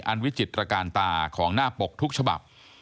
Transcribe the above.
วิจิตรการตาของหน้าปกทุกฉบับ